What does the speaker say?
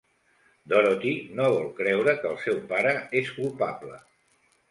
Dorothy no vol creure que el seu pare és culpable.